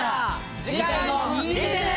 次回も見てね！